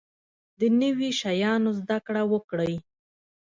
د نوي شیانو زده کړه وکړئ